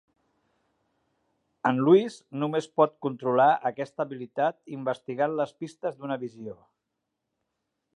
En Louis només pot controlar aquesta habilitat investigant les pistes d'una visió.